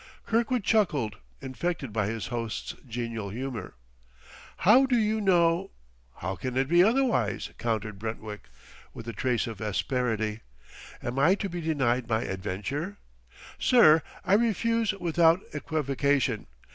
Kirkwood chuckled, infected by his host's genial humor. "How do you know " "How can it be otherwise?" countered Brentwick with a trace of asperity. "Am I to be denied my adventure? Sir, I refuse without equivocation.